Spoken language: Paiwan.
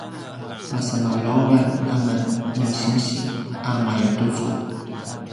pasemalawan amen ni sinsi a mayatucu